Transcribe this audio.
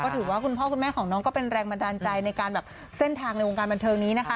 ถือว่าคุณพ่อคุณแม่ของน้องก็เป็นแรงบันดาลใจในการแบบเส้นทางในวงการบันเทิงนี้นะคะ